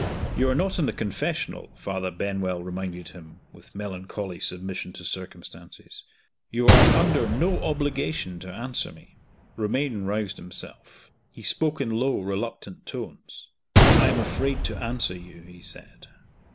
"You are not in the confessional," Father Benwell reminded him, with melancholy submission to circumstances. "You are under no obligation to answer me." Romayne roused himself. He spoke in low, reluctant tones. "I am afraid to answer you," he said.